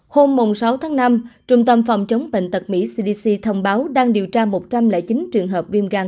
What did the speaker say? hôm sáu tháng năm trung tâm phòng chống bệnh tật mỹ cdc thông báo đang điều tra một trăm linh chín trường hợp viêm gan